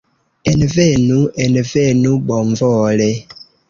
Envenu, envenu bonvole!